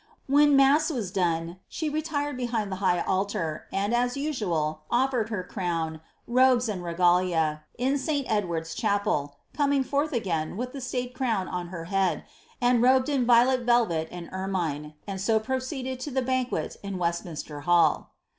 When mass was done, she retired behind the high altar, and as usuaU offered her crown, robes, and regalia, in St. Edward''s chapel, coming forth again with the state crown on her head, and robed in vio let velvet and ermine, and so proceeded to the banquet in Webtuiinster hall.